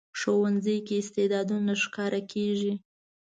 ښوونځی کې استعدادونه ښکاره کېږي